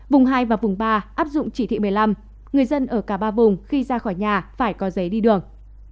vùng hai và vùng ba áp dụng chỉ thị một mươi năm người dân ở cả ba vùng khi ra khỏi nhà phải có giấy đi đường